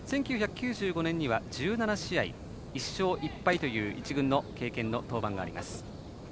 １９９５年には１７試合、１勝１敗という１軍の経験の登板があります。